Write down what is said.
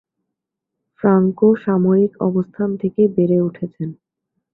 Franco সামরিক অবস্থান থেকে বেড়ে উঠেছেন।